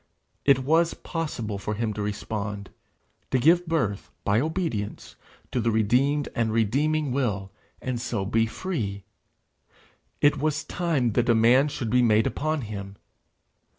It was possible for him to respond, to give birth, by obedience, to the redeemed and redeeming will, and so be free. It was time the demand should be made upon him.